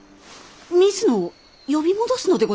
水野を呼び戻すのでございますか？